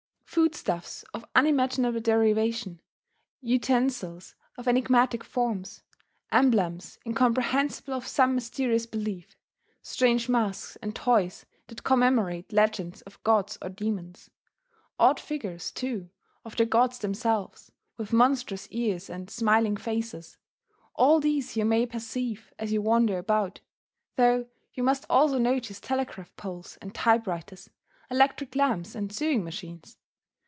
Food stuffs of unimaginable derivation; utensils of enigmatic forms; emblems incomprehensible of some mysterious belief; strange masks and toys that commemorate legends of gods or demons; odd figures, too, of the gods themselves, with monstrous ears and smiling faces, all these you may perceive as you wander about; though you must also notice telegraph poles and type writers, electric lamps and sewing machines.